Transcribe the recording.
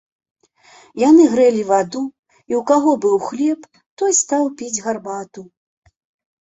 Яны грэлі ваду, і ў каго быў хлеб, той стаў піць гарбату.